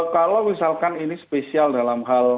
kalau misalkan ini spesial dalam hal